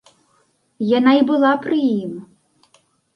Яна і была пры ім.